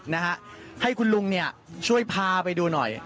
นะฮะให้คุณลุงเนี่ยช่วยพาไปดูหน่อย